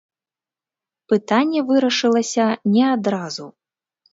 Пытанне вырашылася не адразу.